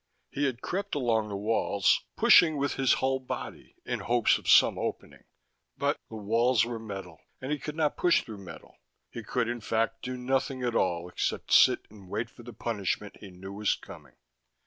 He had crept along the walls, pushing with his whole body in hopes of some opening. But the walls were metal and he could not push through metal. He could, in fact, do nothing at all except sit and wait for the punishment he knew was coming.